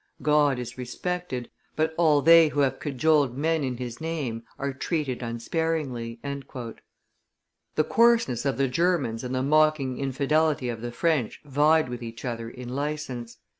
God is respected, but all they who have cajoled men in His name are treated unsparingly." The coarseness of the Germans and the mocking infidelity of the French vied with each other in license.